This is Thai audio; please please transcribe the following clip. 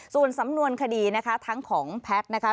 ส่วนสำนวนคดีนะคะทั้งของแพทย์นะคะ